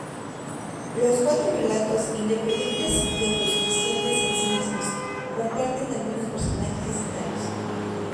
Los cuatro relatos, independientes y autosuficientes en sí mismos, comparten algunos personajes y escenarios.